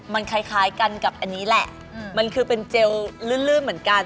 มันคือเป็นเจลลื่นเหมือนกัน